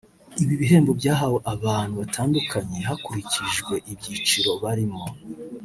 Ibi bihembo byahawe abantu batandukanye hakurikijwe ibyiciro barimo